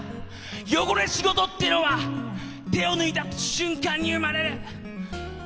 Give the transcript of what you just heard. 汚れ仕事ってのは手を抜いた瞬間に生まれる。